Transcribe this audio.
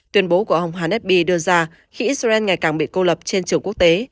tuyên bố của ông hannesby đưa ra khi israel ngày càng bị cô lập trên trường quốc tế